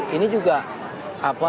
dan oleh karenanya saya pikir